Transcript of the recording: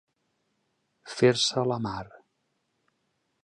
Fer-se a la mar.